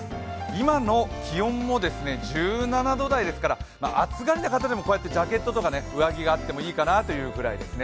今の気温も１７度台ですから暑がりの方でもこうやってジャケットがあったり上着があってもいいかなというくらいですね。